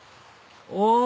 お！